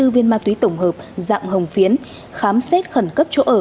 tám mươi bốn viên ma túy tổng hợp dạng hồng phiến khám xét khẩn cấp chỗ ở